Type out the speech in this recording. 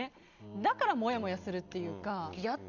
だからもやもやするというか。